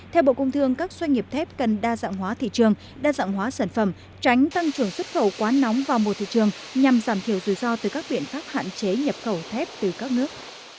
theo bộ công thương các doanh nghiệp thép cần đa dạng hóa thị trường đa dạng hóa sản phẩm tránh tăng trưởng xuất khẩu quá nóng vào mùa thị trường nhằm giảm thiểu rủi ro từ các biện pháp hạn chế nhập khẩu thép từ các nước